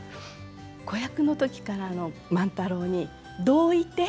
子役の時から万太郎に「どういて？